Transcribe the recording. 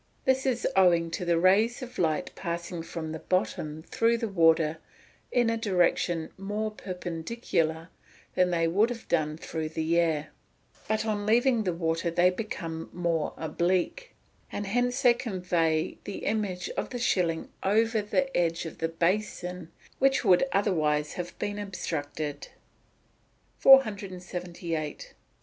This is owing to the rays of light passing from the bottom through the water in a direction more perpendicular than they would have done through the air; but on leaving the water they become more oblique, and hence they convey the image of the shilling over the edge of the basin, which otherwise would have obstructed the view. [Illustration: Fig. 12.] 478.